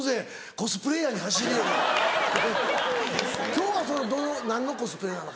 今日は何のコスプレなの？